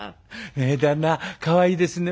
「旦那かわいいですね」。